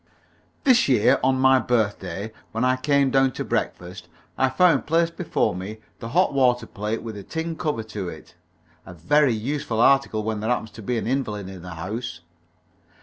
This year, on my birthday, when I came down to breakfast, I found placed before me the hot water plate with the tin cover to it a very useful article when there happens to be an invalid in the house.